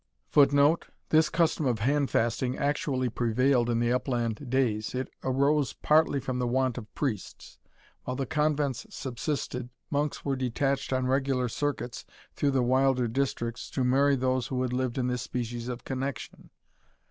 [Footnote: This custom of handfasting actually prevailed in the upland days. It arose partly from the want of priests. While the convents subsisted, monks were detached on regular circuits through the wilder districts, to marry those who had lived in this species of connexion.